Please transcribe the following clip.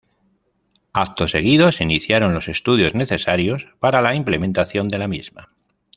Acto seguido se iniciaron los estudios necesarios para la implementación de la misma.